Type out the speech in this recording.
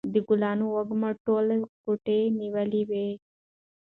د ګلانو وږم ټوله کوټه نیولې وه.